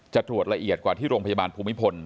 จะตรวจละเอียดกว่าที่โรงพยาบาลภูมิพล